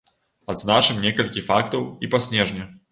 Адзначым некалькі фактаў і па снежні.